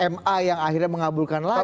ma yang akhirnya mengabulkan lagi